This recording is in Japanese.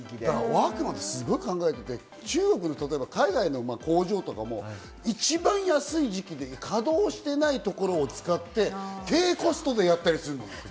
ワークマンカってすごい考えてて、中国に海外に工場とかも一番安い時期に稼動していないところを使って、低コストでやったりするんですよね。